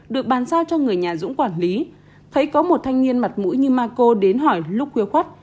được bàn sao cho người nhà dũng quản lý thấy có một thanh niên mặt mũi như marco đến hỏi lúc khuya khuất